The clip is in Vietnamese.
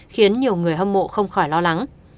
khiến nhiều người hâm mộ không khỏi lo lắng